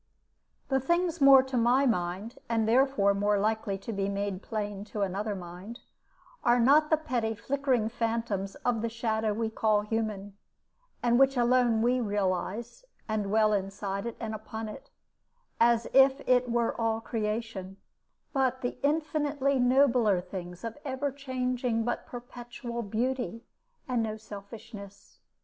The things more to my mind (and therefore more likely to be made plain to another mind) are not the petty flickering phantoms of the shadow we call human, and which alone we realize, and dwell inside it and upon it, as if it were all creation; but the infinitely nobler things of ever changing but perpetual beauty, and no selfishness.